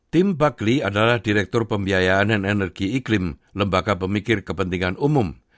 tim buckley adalah direktur pembiayaan dan energi iklim lembaga pemikir kepentingan umum